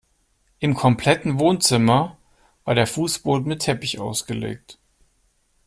Im kompletten Wohnzimmer war der Fußboden mit Teppich ausgelegt.